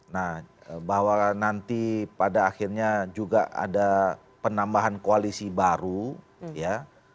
nah bahwa nanti pada akhirnya juga ada penambahan koalisi baru ya